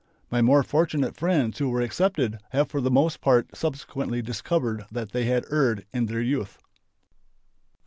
My more fortunate friends who were accepted have for the most part subsequently discovered that they had erred in their youth.